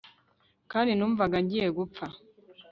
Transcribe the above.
Kandi numvaga ngiye gupfa